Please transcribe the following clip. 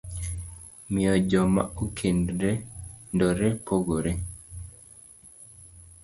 miyo joma okendore pogore.